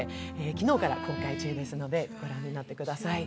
昨日から公開中なので、ご覧になってください。